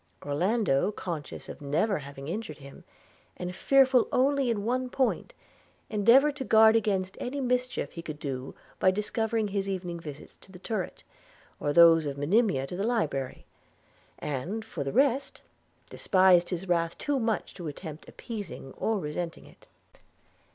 Orlando, conscious of never having injured him, and fearful only in one point, endeavoured to guard against any mischief he could do by discovering his evening visits to the turret, or those of Monimia to the library; and, for the rest, despised his wrath too much to attempt appeasing or resenting it.